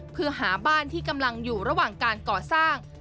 เพื่อหาบ้านที่กำลังอยู่ระหว่างการก่อสร้าง